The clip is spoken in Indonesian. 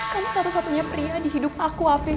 kamu satu satunya pria di hidup aku afif